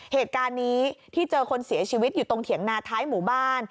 เหตุการณ์นี้ที่เจอคนเสียชีวิตอยู่ตรงเถียงนาท้ายหมู่บ้าน